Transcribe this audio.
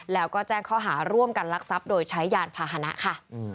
แล้วก็แจ้งข้อหาร่วมกันลักทรัพย์โดยใช้ยานพาหนะค่ะ